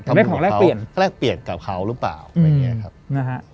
เรียกของแรกเปลี่ยนก็แรกเปลี่ยนกับเขาหรือเปล่าแบบนี้ครับอืมนะครับ